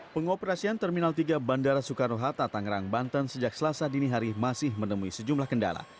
pengoperasian terminal tiga bandara soekarno hatta tangerang banten sejak selasa dini hari masih menemui sejumlah kendala